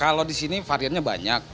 kalau disini variannya banyak